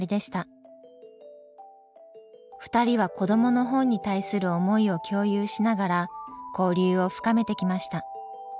２人は子どもの本に対する思いを共有しながら交流を深めてきました。